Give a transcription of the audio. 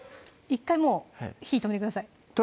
１回もう火止めてください